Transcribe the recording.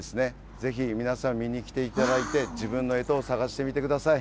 ぜひ皆さん、見に来ていただいて、自分のえとを探してみてください。